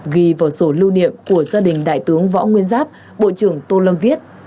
ghi vào sổ lưu niệm của gia đình đại tướng võ nguyên giáp bộ trưởng tô lâm viết